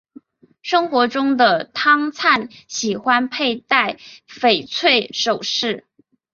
生活中的汤灿喜欢佩戴翡翠首饰。